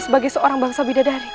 sebagai seorang bangsa bidadari